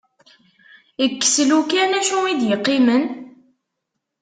Kkes lukan, acu i d-iqqimen?